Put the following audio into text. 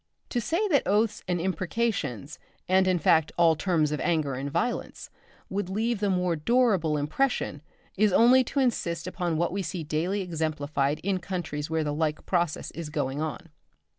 To say that oaths and imprecations, and in fact all terms of anger and violence, would leave the more durable impression, is only to insist upon what we see daily exemplified in countries where the like process is going on.